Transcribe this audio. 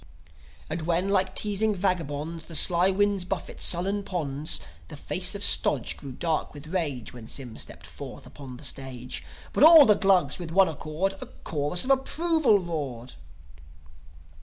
As when, like teasing vagabonds, The sly winds buffet sullen ponds, The face of Stodge grew dark with rage, When Sym stepped forth upon the stage. But all the Glugs, with one accord, A chorus of approval roared.